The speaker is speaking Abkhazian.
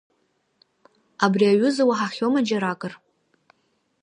Абри аҩыза уаҳахьоума џьаракыр?